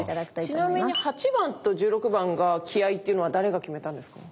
ちなみに８番と１６番が気合いっていうのは誰が決めたんですか？